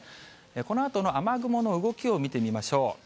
このあとの雨雲の動きを見てみましょう。